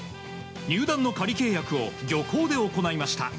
入団の仮契約を漁港で行いました。